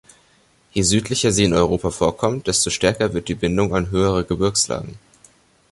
Je südlicher sie in Europa vorkommt, desto stärker wird die Bindung an höhere Gebirgslagen.